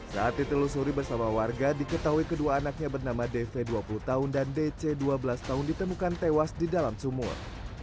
saat ditelusuri bersama warga diketahui kedua anaknya bernama dv dua puluh tahun dan dc dua belas tahun ditemukan tewas di dalam sumur